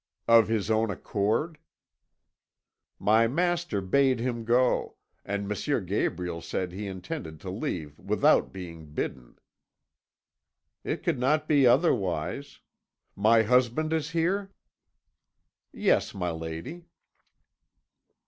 "'Of his own accord?' "'My master bade him go, and M. Gabriel said he intended to leave without being bidden.' "'It could not be otherwise. My husband is here?' "'Yes, my lady.'